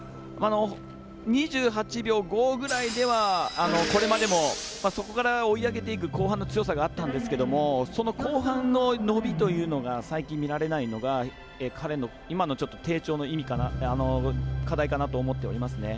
２８秒５ぐらいではこれまでもそこから追い上げていく後半の強さがあったんですけどその後半の伸びというのが最近、見られないのが彼の、今の低調の課題かなと思っておりますね。